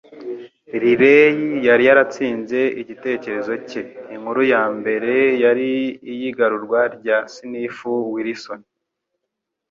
Riley yari yaratsinze igitekerezo cye: inkuru yambere yari iyigarurwa rya Sniffy Wilson